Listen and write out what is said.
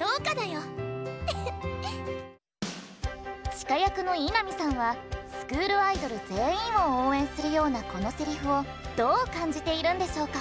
千歌役の伊波さんはスクールアイドル全員を応援するようなこのセリフをどう感じているんでしょうか？